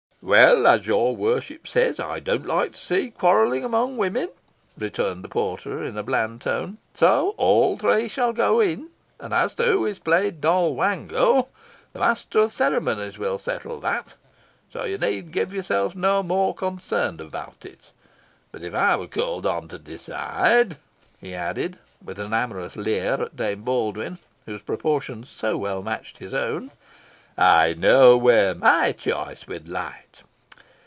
"Well, as your worship says, I don't like to see quarrelling amongst women," returned the porter, in a bland tone, "so all three shall go in; and as to who is to play Doll Wango, the master of the ceremonies will settle that, so you need give yourself no more concern about it; but if I were called on to decide," he added, with an amorous leer at Dame Baldwyn, whose proportions so well matched his own, "I know where my choice would light.